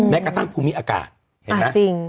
แม้กระทั่งพรุ่งนี้อากาศเห็นไหมจริง